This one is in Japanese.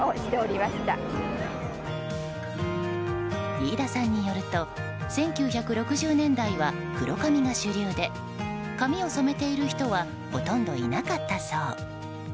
飯田さんによると１９６０年代は黒髪が主流で髪を染めている人はほとんどいなかったそう。